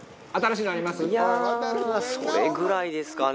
それぐらいですかね。